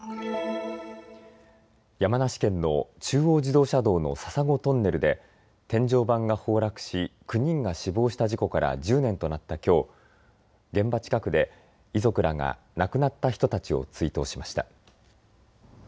山梨県の中央自動車道の笹子トンネルで天井板が崩落し９人が死亡した事故から１０年となったきょう、現場近くで遺族らが亡くなった人たちを追悼しました。